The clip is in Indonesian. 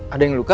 ada yang luka